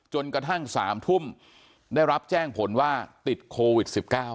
จนกระทั่ง๓ทุ่มได้รับแจ้งผลว่าติดโควิด๑๙